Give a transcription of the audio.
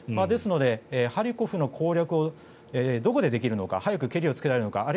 ですのでハリコフの攻略をどこでできるのか早くケリがつけられるのか。